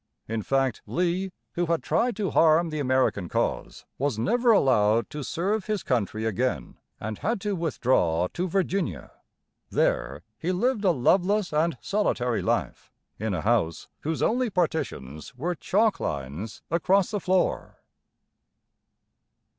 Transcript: In fact, Lee, who had tried to harm the American cause, was never allowed to serve his country again, and had to withdraw to Virginia. There he lived a loveless and solitary life, in a house whose only partitions were chalk lines across the floor.